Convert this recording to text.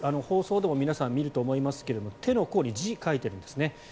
放送でも皆さん見ると思いますが手の甲に字を書いてるんです。